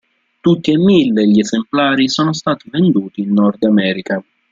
Tutti e mille gli esemplari sono stati venduti in Nord America.